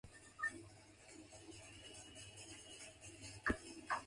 Several of these state old soldiers' homes have been modernized and stop serve veterans.